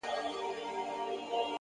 پوهه د راتلونکي جوړولو وسیله ده.!